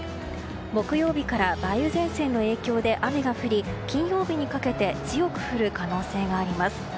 木曜日から梅雨前線の影響で雨が降り金曜日にかけて強く降る可能性があります。